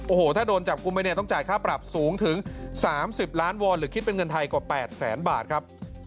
โอ้โหถ้าโดนจับกลุ่มไปเนี่ยต้องจ่ายค่าปรับสูงถึง๓๐ล้านวอนหรือคิดเป็นเงินไทยกว่า๘แสนบาทครับ